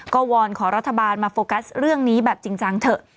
ก็วอนขอรัฐบาลมาโฟกัสเรื่องนี้แบบจริงจังเถอะ